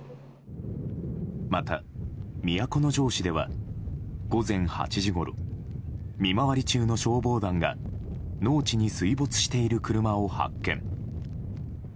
また都城市では午前８時ごろ見回り中の消防団が農地に水没している車を発見。